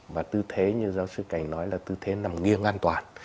và tư thế như giáo sư cảnh nói là tư thế nằm nghiêng an toàn